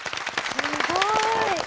すごい。